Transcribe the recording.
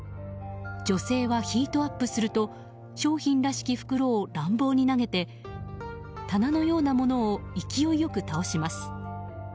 女性はヒートアップすると商品らしき袋を乱暴に投げて棚のようなものを勢い良く倒します。